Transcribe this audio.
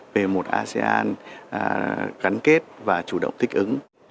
về một asean gắn kết và chủ động thích ứng